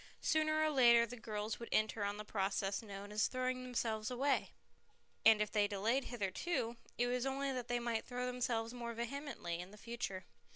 Sooner or later the girls would enter on the process known as throwing themselves away, and if they had delayed hitherto, it was only that they might throw themselves more vehemently in the future.